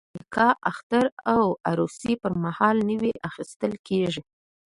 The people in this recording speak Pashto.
غالۍ د نکاح، اختر او عروسي پرمهال نوی اخیستل کېږي.